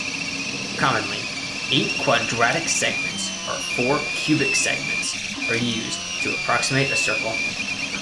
Commonly, eight quadratic segments or four cubic segments are used to approximate a circle.